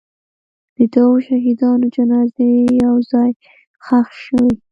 د دوو شهیدانو جنازې یو ځای ښخ شوې.